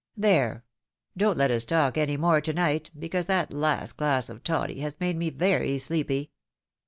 There— don't let us talk any more to night, because that last glass of toddy has made me very sleepy.